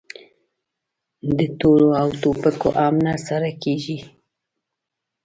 د تورو او ټوپکو هم نه سره کېږي!